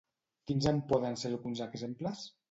Quins en poden ser alguns exemples?